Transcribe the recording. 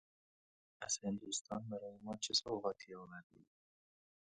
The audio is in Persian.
از هندوستان برای ما چه سوغاتی آورده ای؟